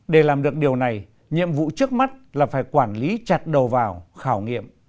để làm được điều này nhiệm vụ trước mắt là phải quản lý chặt đầu vào khảo nghiệm